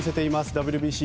ＷＢＣ